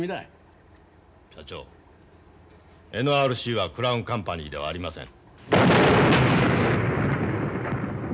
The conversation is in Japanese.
社長ＮＲＣはクラウンカンパニーではありません。